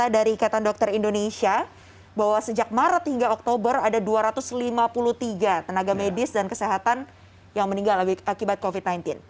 dari ikatan dokter indonesia bahwa sejak maret hingga oktober ada dua ratus lima puluh tiga tenaga medis dan kesehatan yang meninggal akibat covid sembilan belas